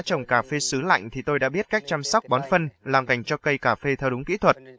trồng cà phê xứ lạnh thì tôi đã biết cách chăm sóc bón phân làm cảnh cho cây cà phê theo đúng kỹ thuật